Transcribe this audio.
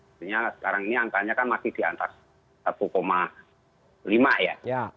sebenarnya sekarang ini angkanya kan masih di atas satu lima ya